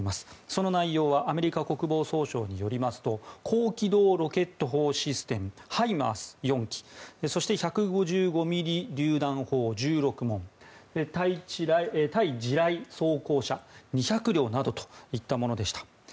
その内容はアメリカ国防総省によりますと高軌道ロケット砲システムハイマース４基そして１５５ミリりゅう弾砲１６門対地雷装甲車２００両などといったものでした。